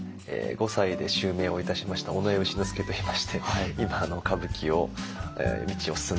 ５歳で襲名をいたしました尾上丑之助といいまして今歌舞伎の道を進んでおります。